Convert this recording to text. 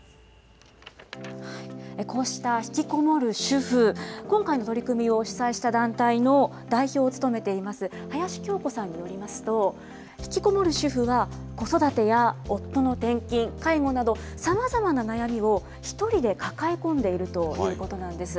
こうした引きこもる主婦、今回の取り組みを主催した団体の代表を務めています、林恭子さんによりますと、引きこもる主婦は、子育てや夫の転勤、介護など、さまざまな悩みを１人で抱え込んでいるということなんです。